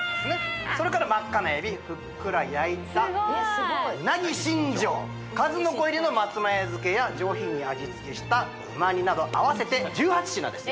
それから真っ赤な海老ふっくら焼いた鰻しんじょう数の子入りの松前漬けや上品に味付けした旨煮など合わせて１８品です